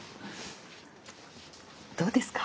どうですか？